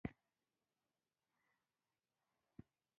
آیا ځینې افغانان هلته سوداګري نه کوي؟